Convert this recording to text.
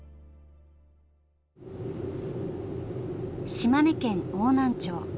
島根県邑南町。